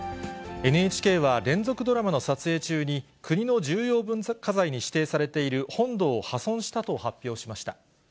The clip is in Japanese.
ＮＨＫは連続ドラマの撮影中に、国の重要文化財に指定されている本堂を破損したと発表しました。